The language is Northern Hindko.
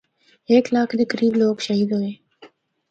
ہک لکھ دے قریب لوگ شہید ہوئے۔